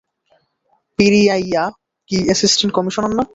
পেরিয়াইয়া কী assistant commissioner না?